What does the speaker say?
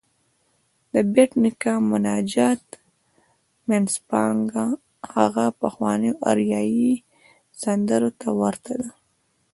د بېټ نیکه د مناجات منځپانګه هغه پخوانيو اریايي سندرو ته ورته ده.